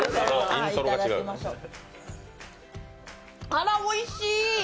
あら、おいしい！